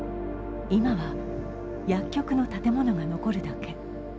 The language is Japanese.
今は薬局の建物が残るだけ。